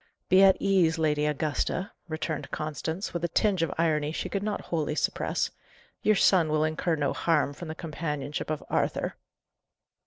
"Be at ease, Lady Augusta," returned Constance, with a tinge of irony she could not wholly suppress. "Your son will incur no harm from the companionship of Arthur."